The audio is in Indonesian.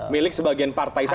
milik sebagian partai saja